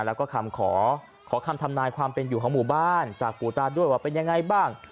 แล้วก็คำขอขอคำทำนายความเป็นอยู่ของหมู่บ้านจากปู่ตาด้วยว่าเป็นยังไงบ้าง